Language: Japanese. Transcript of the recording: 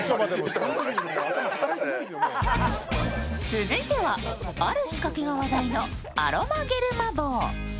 続いては、ある仕掛けが話題のアロマゲルマ房。